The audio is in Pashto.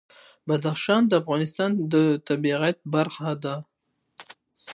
بدخشان د افغانستان د طبیعت برخه ده.